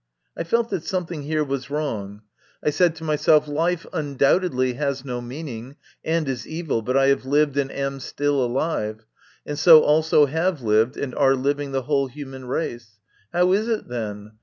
I felt that something here was wrong. I said MY CONFESSION. 73 to myself: "Life undoubtedly has no meaning, and is evil, but I have lived and am still alive, and so also have lived and are living the whole human race. How is it, then?